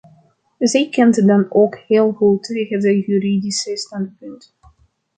Zij kent dan ook heel goed het juridische standpunt.